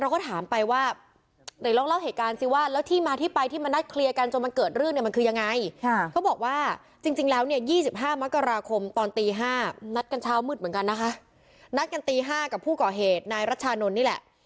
ก็เหมือนกันนะคะนัดกันตี๕กับผู้ก่อเหตุนายรัชชานนท์นี่แหละ